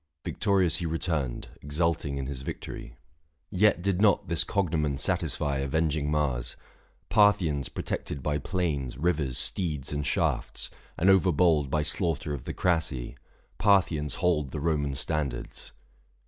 Victorious he Returned, exulting in his victory. Yet did not this cognomen satisfy Avenging Mars. Parthians protected by 660 Plains, rivers, steeds, and shafts — and overbold By slaughter of the Crassi — Parthians hold The Roman standards.